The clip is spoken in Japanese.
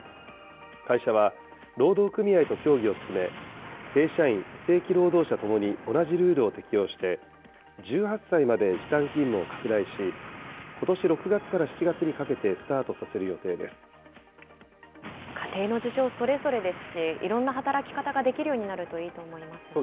会社は、労働組合と協議を進め、正社員・非正規労働者ともに同じルールを適用して、１８歳まで時短勤務を拡大し、ことし６月から７月にかけてスター家庭の事情、それぞれですし、いろんな働き方ができるようになるといいと思いますね。